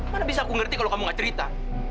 mana bisa aku ngerti kalau kamu gak cerita